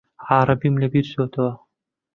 عەرەبیم لەبیر چۆتەوە.